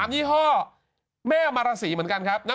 ๓ยี่ห้อแม่มารสีเหมือนกัน